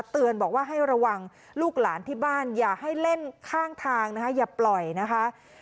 เตือนบอกว่าให้ระวังลูกหลานที่บ้านอย่าให้เล่นข้างทางนะคะอย่าปล่อยนะคะ